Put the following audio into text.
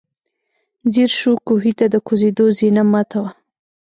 ځير شو، کوهي ته د کوزېدو زينه ماته وه.